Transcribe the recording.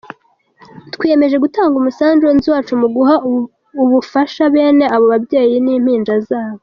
Twiyemeje gutanga umusanzu wacu mu guha ubufasha bene abo babyeyi n’impinja zabo.